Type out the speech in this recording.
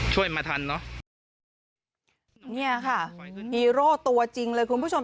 มาทันเนอะเนี่ยค่ะฮีโร่ตัวจริงเลยคุณผู้ชม